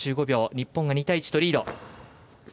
日本は２対１とリード。